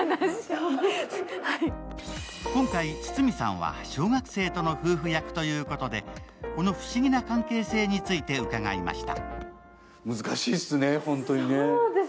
今回、堤さんは小学生との夫婦役ということで、この不思議な関係性について伺いました。